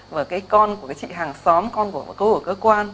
và cái con của chị hàng xóm con của cô ở cơ quan